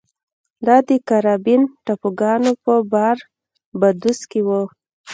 دا د کارابین ټاپوګانو په باربادوس کې و.